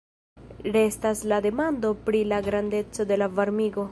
Restas la demando pri la grandeco de la varmigo.